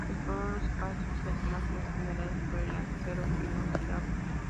Exploró los espacios y las imágenes generadas por el acero inoxidable.